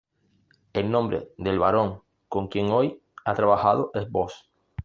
El nombre del varón con quien hoy he trabajado es Booz.